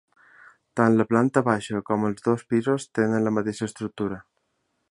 Tant la planta baixa com els dos pisos tenen la mateixa estructura.